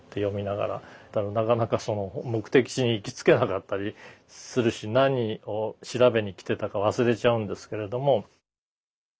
なかなかその目的地に行きつけなかったりするし何を調べにきてたか忘れちゃうんですけれども。